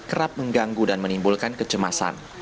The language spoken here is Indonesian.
kerap mengganggu dan menimbulkan kecemasan